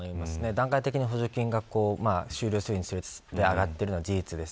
段階的に補助金が終了するにつれて上がっているのは事実です。